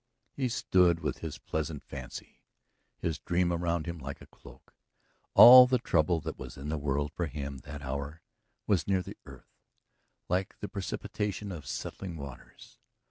He stood with his pleasant fancy, his dream around him like a cloak. All the trouble that was in the world for him that hour was near the earth, like the precipitation of settling waters.